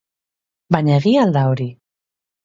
Baina egia al da hori?